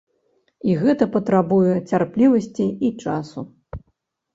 І гэта патрабуе цярплівасці і часу.